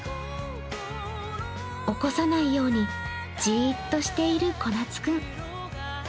起こさないように、じっとしているこなつ君。